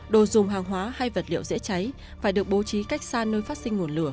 đồ dùng hàng hóa hay vật liệu dễ cháy phải được bố trí cách xa nơi phát sinh nguồn lửa